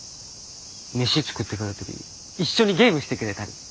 飯作ってくれたり一緒にゲームしてくれたり。